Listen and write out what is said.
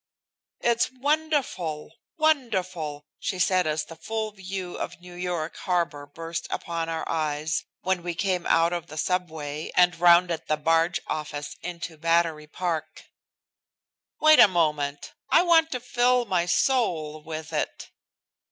"It's wonderful! Wonderful!" she said as the full view of New York harbor burst upon our eyes when we came out of the subway and rounded the Barge office into Battery Park. "Wait a moment. I want to fill my soul with it."